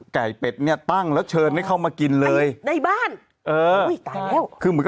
ไก่เป็ดเนี่ยตั้งแล้วเชิญให้เข้ามากินเลย